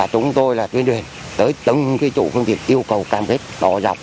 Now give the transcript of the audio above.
chúng tôi là tuyên đoàn tới từng chủ phương tiện yêu cầu cam kết đòi dọc